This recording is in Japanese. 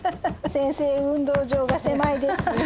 先生運動場が狭いです。